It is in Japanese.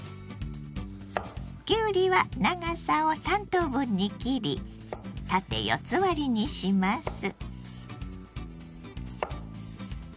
きゅうりは長さを３等分に切り縦四つ割りにします。